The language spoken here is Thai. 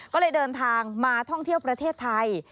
ก็เลยเดินทางมาท่องเที่ยวประเทศไทย